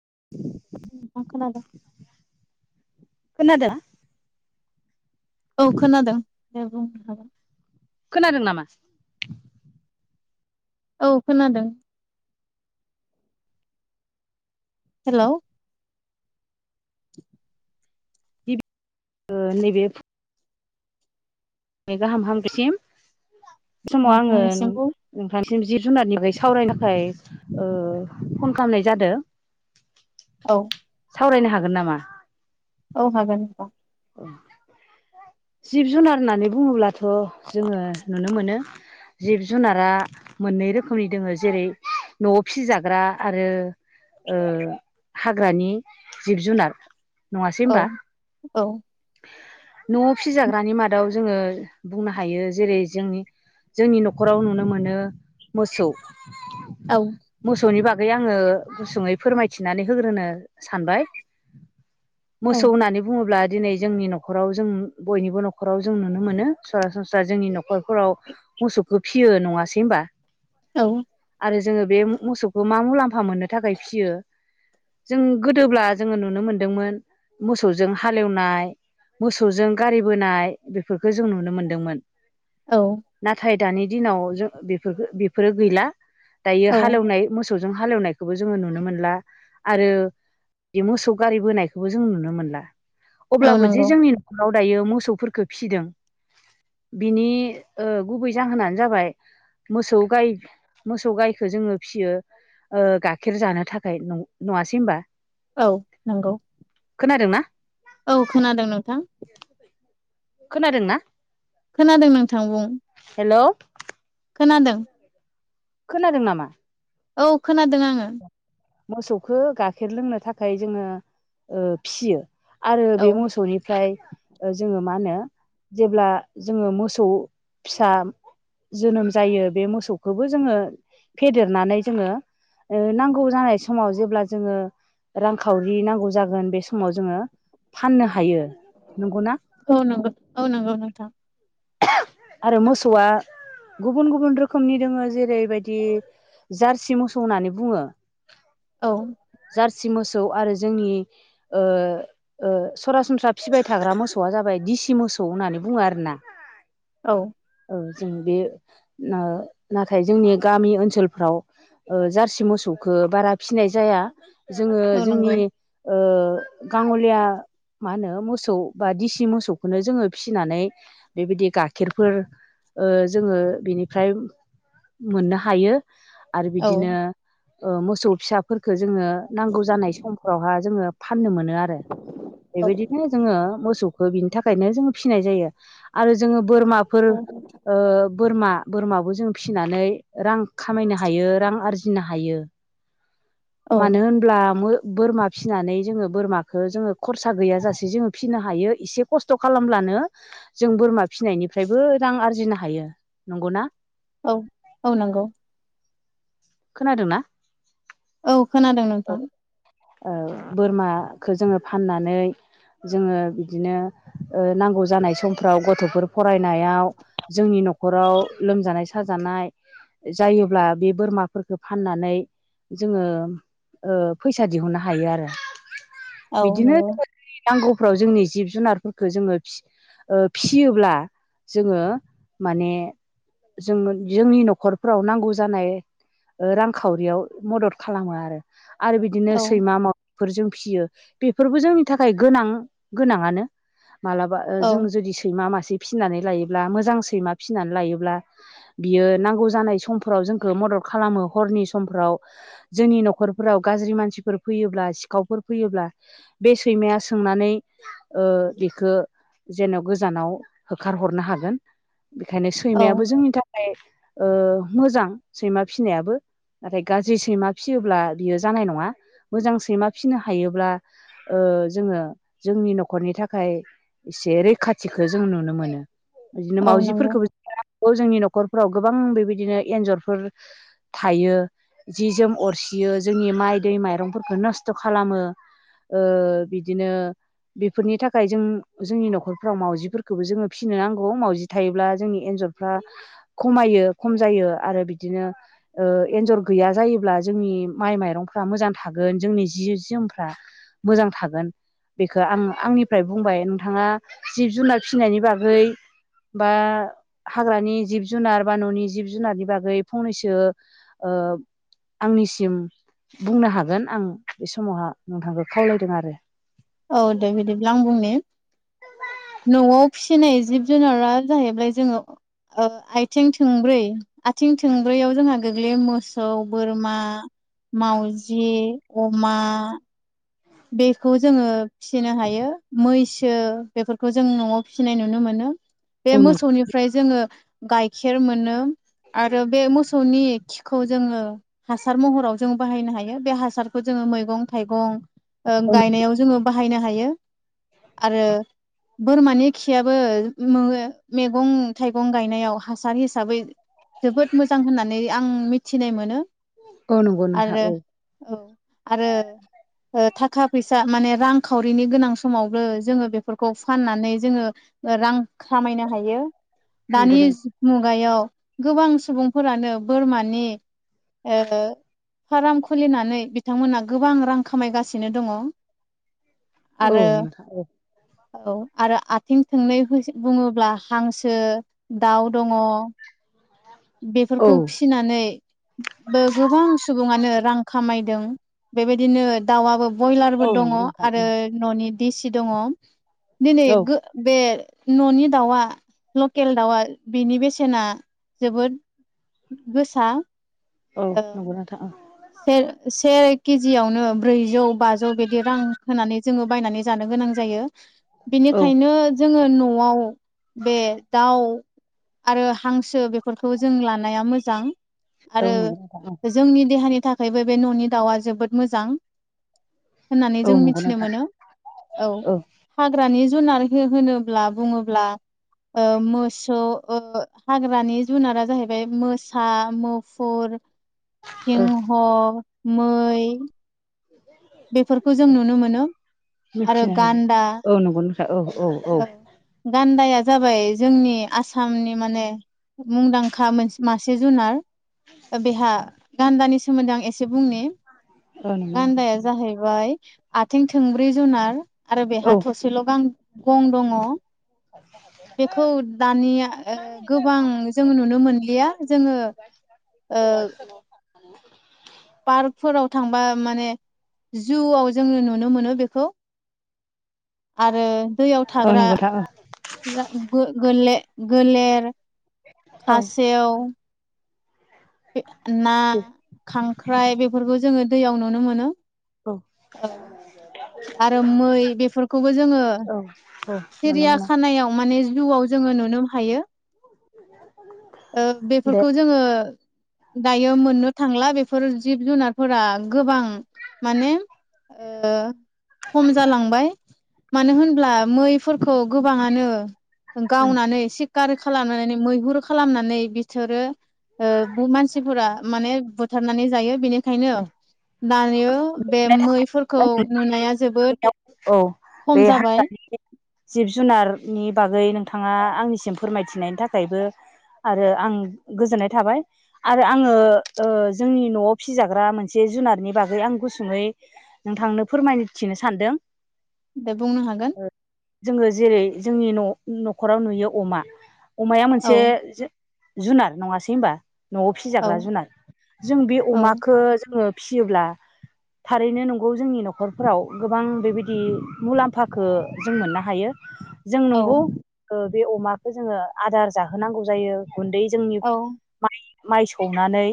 [unintelligible] खोनादों औ खोनादों दे बुंनो हागोन खोनादोंं नामा औ खोनादों हेल' [inaudible] [unintelligible] नैबे गाहाम हामसिम बे समाव आङो नोंथांनिसिमबो [unintelligible] सिम जिब जुनारनिफ्राय सावरायनो थाखाय फन खालामनाय जादों औ सावरायनो हागोन नामा औ हागोन [unintelligible] जिब जुनार होननानै बुङोब्लाथ' जोङो नुनो मोनो जिब जुनारा मोननै रोखोमनि दोङो जेरै न'आव फिसिजाग्रा आरो हाग्रानि जिब जुनार नङासै औ होमबा औ न'आव फिजाग्रानि मादाव जोङो बुंनो हायो जेरै जोंनि जोंनि न'खराव नुनो मोनो मोसौ। औ मोसौनि बागै है आङो गुसुङै फोरमायथिनानै होग्रोनो सानबाय। मोसौ होननानै बुङोब्ला दिनै जोंनि न'खराव जों बयनिबो न'खराव जों नुनो मोनो सरासनस्रा जोंनि न'खरफोराव मोसौखौ फियो नङासै होम्बा औ आरो जोङो बे मोसौखौ मा मुलाम्फा मोननो थाखाय फियो जों गोदोब्ला जोङो नुनो मोनदोंमोन मोसौजों हालेवनाय मोसौजों गारि बोनाय बेफोरखौ जों नुनो मोनदोंमोन औ नाथाय दानि दिनाव जों बेफोरखो बेफोरो गैला दायो औ हालेवनाय मोसौजों हालेवनायखौबो जोङो नुनो मोनला आरो बे मोसौ गारि बोनायखौबो जों नुनो मोनला औ अब्लाबो जे नंगौ जोंनि आव दायो मोसौफोरखो फिदों बिनि ओ गुबै जाहोनानो जाबाय मोसौ गाय मोसौ गायखो जोङो फियो ओ गाखेर जानो थाखाय न नुवासै होमबा औ नोंगौ खोनादों ना? औ खोनादों नोंथां। खोनादोंना? खोनादों नोंथां बुं। हेल' खोनादों? खोनादों नामा? औ खोनादों आङो मोसौ आरो औ बे मोसौनिफ्राय जोङो मा होनो जेब्ला जोङो मोसौ फिसा जोनोम जायो बे मोसौखौबो जोङो फेदेरनानै जोङो ओ नांगौ जानाय समाव जेब्ला जोङो रांखावरि नांगौ जागोन बे समाव जोङो फाननो हायो। नंगौना औ नोंगौ औ नोंगौ नोंथां [unintelligible] आरो मोसौआ गुबुन गुबुन रोखोमनि दोङो जेरैबायदि जार्सि मोसौ होननानै बुङो औ जारसि मोसौ आरो जोंनि ओ ओ सरासनस्रा फिबाय थाग्रा मोसौआ जाबाय दिसि मोसौ होननानै बुङो आरो ना औ जों बे ओ नाथाय जोंनि गामि ओनसोलफ्राव ओ जारसि मोसौखौ बारा फिसिनाय जाया जोङो औ नंगौ जोंनि ओ [inaudible] गाङलिया मा होनो मोसौ बा दिसि मोसौखौनो जोङो फिसिनानै बेबायदि गाइखेरफोर ओ जोङो बिनिफ्राय मोननो हायो आरो औ बिदिनो ओ मोसौ फिसाफोरखो जोङो नांगौ जानाय समफोरावहा जोङो फाननो मोनो आरो औ बेबायदिनो जोङो मोसौखौ बिनि थाखायनो जोङो फिसिनाय जायो। आरो जोङो बोरमाफोर औ ओ बोरमा बोरमाबो जों फिसिनानै रां खामायनो हायो रां आरजिनो हायो औ मानो होनब्ला मो बोरमा फिनानै जोङो बोरमाखो जोङो खरसा गैयाजासे जोङो फिसिनो हायो इसे खस्थ' खालामब्लानो जों बोरमा फिसिनायनिफ्रायबो रां आरजिनो हायो। नंगौना? औ औ नंगौ। खोनादोंनाा औ खोनादों नोंथां। बोरमाखौ जोङो फाननानै जोङो बिदिनो नांगौ जानाय सम फाव गथ'फोर फरायनायाव जोंनि न'खराव लोमजानाय साजानाय जायोब्ला बे बोरमाफोरफोरखौो फाननानै जोङो फैसा दिहुननो हायो आरो। औ बिदिनो नंगौ जोङो जोंनि नांगौफ्राव जोंनि जिब जुनारफोरखौ जोङो फियोब्ला जोङो माने जों जोंनि न'खरफोराव नांगौ जानाय रांखावरियाव मदद खालामो आरो। आरो बिदिनो औ सैमा मावफोरजों फियो बेफोरबो जोंनि थाखाय गोनां गोनाङानो मालाबा औ जों जुदि सैमा मासे फिसिनानै लायोब्ला मोजां सैमा फिसिनानै लायोब्ला बियो नांगौ जानाय समफोराव जोंखौ मदद खालामो हरनि समफ्राव जोंनि न'खरफोराव गाज्रि मानसिफोर फैयोब्ला सिखावफोर फैयोब्ला बे सैमाया सोंनानै बेखौ जेन' गोजानाव होखारहरनो हागोन बेखायनो औ सैमायाबो जोंनि थाखाय मोजां सैमा फिसिनायाबो नाथाय गाज्रि सैमा फिसियोब्ला बियो जानाय नङा मोजां सैमा फिसिनो हायोब्ला जोङो जोंनि न'खरनि थाखाय। एसे रैखाथिखौो जों नुनो मोनो बिदिनो औ नंगौ मावजिफोरखौबो जोंनि न'खर न'खरफोराव गोबां बेबायदिनो एन्जरफोर थायो जि जोम अरसियो जोंनि माइ दै माइरंफोरखौो नस्थ' खालामो। बिदिनो बेफोरनि थाखाय जों। जोंनि न'खरफ्राव म मावजिफोरखौबो जोङो फिसिनो नांगौ म मावजि थायोब्ला जोंनि एन्जरफ्रा खमायो। खम जायो आरो बिदिनो एन्जर गैया जायोब्ला जोंनि माइ माइरंफ्रा मोजां थागोन जोंनि जि जोमफ्रा मोजां थागोन बेखौ आं आंनिफ्राय बुंबाय। थाङा जिब जुनार फिसिनायनि बागै बा हाग्रानि जिब जुनार बा न'नि जिब जुनारनि बागै फंनैसो आ आंनिसिम बुंनो हागोन आं बे समावहा नोंथांखौ खावलायदों आरो। औ दे बिदिब्ला आं बुंनि न'आव फिसिनाय जिब जुनारा जाहैबाय जोङो आथिं थोंब्रै आथिं थोंब्रैयाव जोंहा गोग्लै मोसौ बोरमा मावजि अमा बेखौ जोङो फिसिनो हायो मैसो फिो बेफोरखौ जों न'आव फिसिनाय नुनो मोनो बे औ नों मोसौनिफ्राय जोङो गाइखेर मोनो आरो बे मोसौ मोसौनि खिखौ जोङो हासार महराव जों बाहायनो हायो बे हासारखौ जोङो मैगं थाइगं औ नं गायनायाव जोङो बाहायनो हायो आरो बोरमानि खियाबो मैगं थाइगं गायनायाव हासार हिसाबै जोबोद मोजां होननानै आं मिथिनाय मोनो औ नंगौ नोंथां आरो औ औ आरो थाखा फैसा माने रांखावरिनि गोनां समावबो जोङो बेफोरखौ फाननानै जोङो रां खामायनो हायो नंगौ दानि मुगायाव गोबां सुबुंफोरानो बोरमानि फाराम खुलिनानै बिथांमोना गोबां रां खामायगासिनो। गासिनो दङ। औ आरो नोंथां औ। औ आरो आथिं थोंनै बुङोब्ला हांसो, दाउ दङ औ बेफोरखौ फिनानैबो गोबां सुबुङानो रां खामायदों बेबायदिनो दाउआबो औ बयलारबो दङ नंगौ नोंथां आरो औ न'नि दिसि दङ। दिनै औ गो बे न'नि दाउआ लकेल दाउआ बेनि बेसेना जोबोद गोसा औ नोंगौ नोंथां ओं। सेर से केजियावनो ब्रैजौ-बाजौ बिदि रां होनानै जोङो बायनानै जानो गोनां जायो। औ बेनिखायनो जोङो न'आव बे दाउ आरो हांसो बेफोरखौ जों लानाया मोजां। आरो नंगौ नोंथां औ जोंनि देहानि थाखायबो बे न'नि दाउआ जोबोद मोजां होननानै जों औ नंगौ मिथिनो नोंथां मोनो। औ हाग्रानि जुनार हो-होनोब्ला बुङोब्ला ओ मोसौ ओ हाग्रानि जुनारा जाहैबाय मोसा, मुफुर औ सिंह, मै बेफोरखौ जों नुनो मोनो आरो मिथिनो हायो गान्दा औ नंगौ नोंथां औ औ औ गान्दाया जाबाय जोंनि आसामनि माने मुंदांखा मोनसे मा से जुनार ओ बेहा गान्दानि सोमोन्दै आं एसे बुंनि। औ नंगौ नोंथां गान्दाया जाहैबाय आथिं थोंब्रै जुनार आरो बेहा औ थसेल' गां गं दङ। बेखौ दानिया ओ गोबां जों नुनो मोनलिया। जोङो ओ [unintelligible] पार्कफोराव थांबा माने जुआव जोङो नुनो मोनो बेखौ। [inaudible] आरो दैयाव औ थाग्रा नंगौ नोंथां औ गा गो-गोले-गोलेर, औ खासेव, ना, दे खांख्राइ बेफोरखौ जोङो दैयाव नुनो मोनो। औ औ आरो मै बेफोरखौबो जोङो औ औ नुनो सिरिया मोनो खानायाव माने जुआव जोङो नुनो हायो। ओ दे बेफोरखौ जोङो दायो मोननो थांला बेफोर जिब-जुनारफोरा गोबां माने ओ खम जालांबाय। मानो होनब्ला मै फोरखौ गोबाङानो उम गावनानै सिखार खालामनानै मैहुर खालामनानै बिसोरो ओ बे मानसिफोरा माने बुथारनानै जायो बिनि खायनो दे दायो बे मैफोरखौ नुनाया जोबोद औ बे खम जाबाय हाग्रानि जिब-जुनारनि बागै नोंथा‌ ङा आंनिसिम फोरमायथिनायनि थाखायबो आरो आं गोजोननाय थाबाय आरो आङो ओ जोंनि न'आव फिजाग्रा मोनसे जुनारनि बागै आं गुसुङै नोंथांनो फोरमायथिनो सानदों। दे बुंनो हागोन ओ जोङो जेरै -जोंनि न'-न'खराव नुयो अमा अमाया औ मोनसे जु-जुनार नङासै होनबा? न'आव औ फिजाग्रा जुुनार जों बे औ अमाखो जोङो फियोब्ला थारैनो नंगौ जोंनि न'खरफोराव गोबां बेबायदि मुलाम्फाखो जों मोननो हायो। जों नंगौ औ ओ बे अमाखो जोङो आदार जाहोनांगौ जायो। गुन्दै जोंनि औ माइ-माइ सौनानै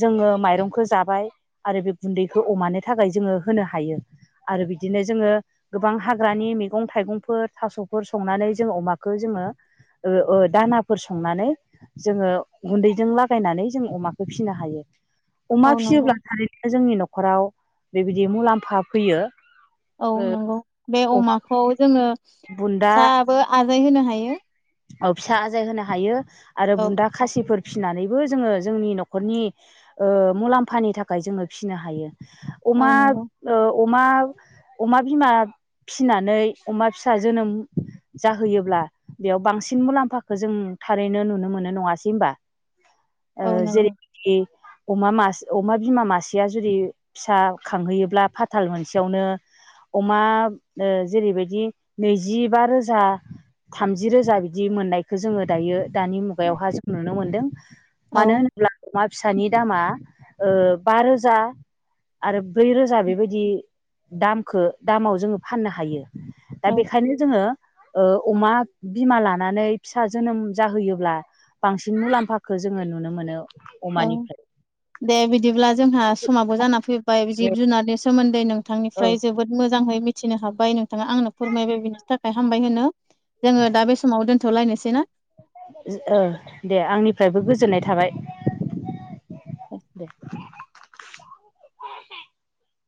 जोङो माइरंखो जाबाय आरो बे गुन्दैखौ अमानो थाखाय जोङो होनो हायो आरो बिदिनो जोङो गोबां हाग्रानि मैगं थाइगंफोर थास'फोर संनानै जोङो अमाखौ जोङो ओ ओ दानाफोर संनानै जोङो गुन्दैजों लागायनानै जों अमाखौ फिसिनो हायो। अमा औ नंगौ फिसियोब्ला थारैनो जोंनि न'खराव बेबायदि मुलाम्फा फैयो। औ ओ नंगौ बे अमा अमाखौ जोङो बुन्दा फिसाबो आजाय होनो हायो। औ फिसा आजाय होनो हायो आरो औ बुन्दा खासिफोर फिनानैबो जोङो जोंनि न'खरनि ओ मुलाम्फानि थाखाय जोङो फिनो हायो। औ अमा नंगौ ओ अमा अमा बिमा फिनानै अमा फिसा जोनोम जाहोयोब्ला बेयाव बांसिन मुलाम्फाखौ जों थारैनो नुनो मोनो नङासै होमबा औ ओ नंगौ जेरैबादि अमा मास अमा बिमा मासेया जुदि फिसा खांहोयोब्ला फाथाल मोनसेयावनो अमा ओ जेरैबायदि नैजिबा रोजा थामजि रोजा बिदि मोननायखौ जोङो दायो दानि मुगायावहा जों नुनो मोनदों औ मानो होनोब्ला अमा फिसानि दामा ओ बारोजा आरो ब्रै रोजा बेबायदि दामखौ दामाव जोङो फाननो हायो। दा औ बेखायनो जोङो ओ अमा बिमा लानानै फिसा जोनोम जाहोयोब्ला बांसिन मुलाम्फाखौ जोङो नुनो मोनो औ अमानिफ्राय दे बिदिब्ला जोंहा समाबो जाना फैबाय जिब जुनारनि सोमोन्दै औ नोंथांनिफ्राय जोबोद मो -जाङै मिथिनो हाबाय नोंथाङा आंनो फोरमायबाय बिनि थाखाय हामबाय होनो जोङो दा बे समाव दो थ'लायनोसै ना ओ दे आंनिफ्रायबो गोजोननाय थाबाय। दे। [unintelligible]